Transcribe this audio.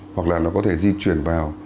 hoặc là nó có thể di chuyển vào